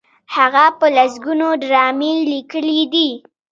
هغه په لسګونو ډرامې لیکلي دي.